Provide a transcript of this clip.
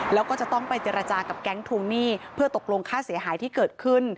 แล้วก็จะต้องไปเจรจากับแก๊งทวงหนี้เพื่อตกลงค่าเสียหายที่เกิดขึ้น